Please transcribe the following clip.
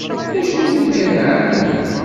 D acu iwumi neεlem?